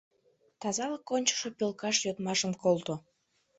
Тазалык ончышо пӧлкаш йодмашым колто.